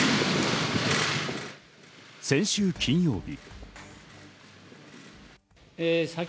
先週金曜日。